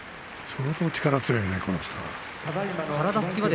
相当、力が強いね、この人は。